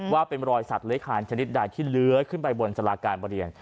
ว่าเป็นรอยสัตว์หรือขานชนิดใดที่เหลือขึ้นไปบนสลาการบริเวณ